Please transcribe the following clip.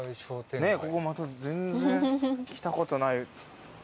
ここまた全然来たことない雰囲気の。